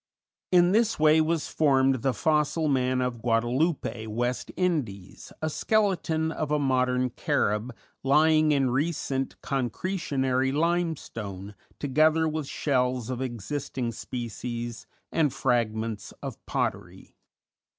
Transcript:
In this way was formed the "fossil man" of Guadeloupe, West Indies, a skeleton of a modern Carib lying in recent concretionary limestone, together with shells of existing species and fragments of pottery.